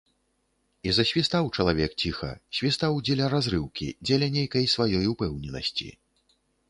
І засвістаў чалавек ціха, свістаў дзеля разрыўкі, дзеля нейкай сваёй упэўненасці.